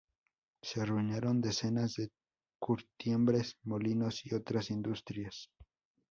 Se arruinaron decenas de curtiembres, molinos y otras industrias.